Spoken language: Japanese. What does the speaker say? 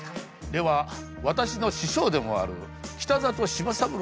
では私の師匠でもある北里柴三郎先生を。